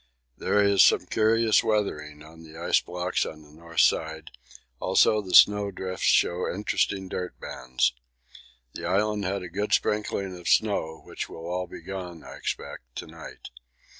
There is some curious weathering on the ice blocks on the N. side; also the snow drifts show interesting dirt bands. The island had a good sprinkling of snow, which will all be gone, I expect, to night.